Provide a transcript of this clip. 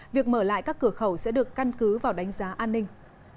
việc mở lại các cửa khẩu sẽ được căn cứ vào đánh giá an ninh